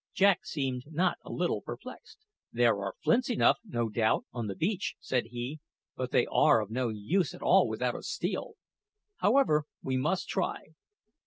Jack seemed not a little perplexed. "There are flints enough, no doubt, on the beach," said he; "but they are of no use at all without a steel. However, we must try."